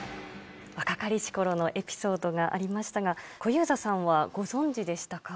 若かりしころのエピソードがありましたが、小遊三さんは、ご存じでしたか。